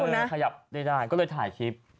ไม่ได้นะคุณนะเออขยับได้ได้ก็เลยถ่ายคลิป